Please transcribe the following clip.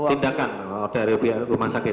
tindakan dari pihak rumah sakit